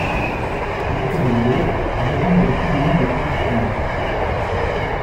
Il ferme le en raison de l'épidémie de grippe espagnole.